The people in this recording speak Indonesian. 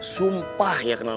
sumpah ya kenal kenal gue